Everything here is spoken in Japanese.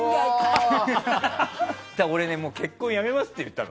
俺、結婚やめますって言ったの。